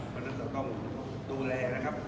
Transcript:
เพราะฉะนั้นจะต้องดูแลนะครับ